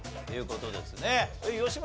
吉村